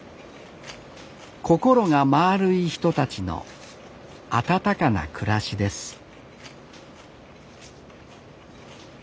心がまあるい人たちの温かな暮らしです